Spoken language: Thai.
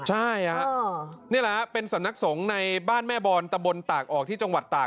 ใช่นี่แหละเป็นสำนักสงฆ์ในบ้านแม่บอนตะบนตากออกที่จังหวัดตาก